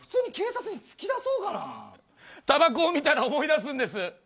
たばこを見たら思い出すんです。